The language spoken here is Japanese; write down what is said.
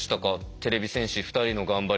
てれび戦士２人の頑張り。